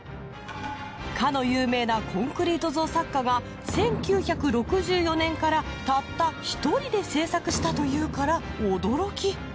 かの有名なコンクリート像作家が１９６４年からたった一人で制作したというから驚き。